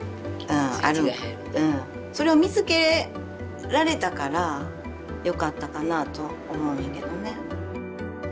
それを見つけられたからよかったかなと思うねんけどね。